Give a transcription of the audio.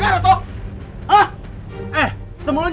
pergi kembali ke sana